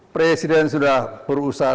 presiden sudah berusaha